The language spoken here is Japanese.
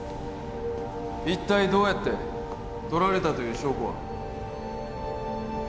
一体どうやって？とられたという証拠は？